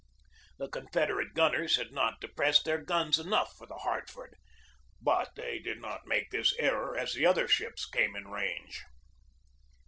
The Confederate gunners had not de pressed their guns enough for the Hartford, but they did not make this error as the other ships came in range.